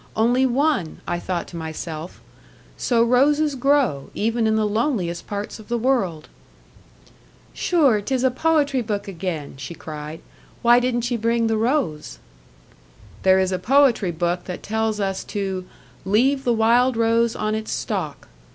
Only one! I thought to myself, 'So roses grow, even in the loneliest parts of the world!'" "Sure, 'tis a poetry book again!" she cried. "Why didn't ye bring the rose?" "There is a poetry book that tells us to 'leave the wild rose on its stalk.'